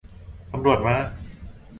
ตำรวจมา !